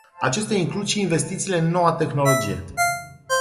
Acestea includ și investițiile în noua tehnologie.